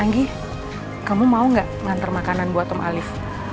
anggi kamu mau gak ngantar makanan buat om alif